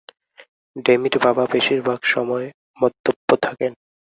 ডেমির বাবা বেশির ভাগ সময় মদ্যপ থাকেন।